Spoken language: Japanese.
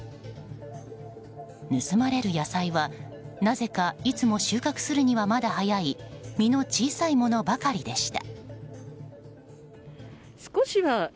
盗まれる野菜はなぜかいつも収穫するにはまだ早い実の小さいものばかりでした。